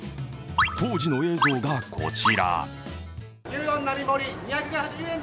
当時の映像がこちら。